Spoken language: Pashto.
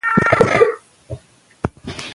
نارینه باید د ښځې د ژوند کیفیت ته پاملرنه وکړي.